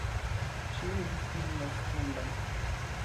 She lives in west London.